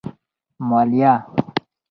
مالیه